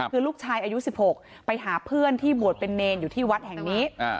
คือลูกชายอายุ๑๖ไปหาเพื่อนที่บวชเป็นเนรอยู่ที่วัดแห่งนี้